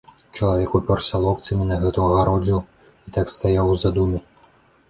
Чалавек успёрся локцямі на гэтую агароджу і так стаяў у задуме.